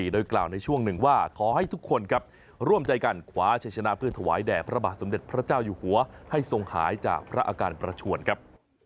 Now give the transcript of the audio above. โดยกล่าวในช่วงหนึ่งว่าขอให้ทุกคนครับร่วมใจกันขวาชัยชนะเพื่อถวายแด่พระบาทสมเด็จพระเจ้าอยู่หัวให้ทรงหายจากพระอาการประชวนครับ